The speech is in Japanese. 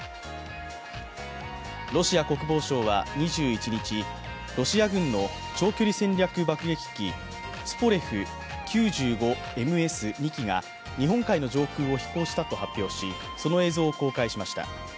ロシア国防省は２１日ロシア軍の長距離戦略爆撃機、ツポレフ９５ＭＳ、２機が日本海の上空を飛行したと発表し、その映像を公開しました。